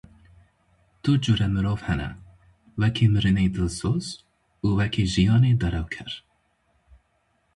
Du cure mirov hene; wekî mirinê dilsoz û wekî jiyanê derewker!